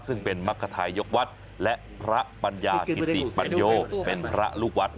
ซึ่งเป็นมรรคทายกวัดและพระปัญญากิติปัญโยเป็นพระลูกวัด